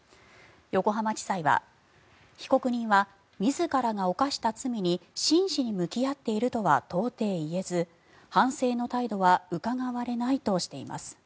横浜地裁は被告人は自らが犯した罪に真摯に向き合っているとは到底言えず反省の態度はうかがわれないとしています。